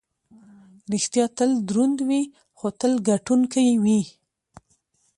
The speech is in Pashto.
ریښتیا تل دروند وي، خو تل ګټونکی وي.